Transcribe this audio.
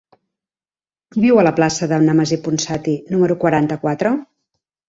Qui viu a la plaça de Nemesi Ponsati número quaranta-quatre?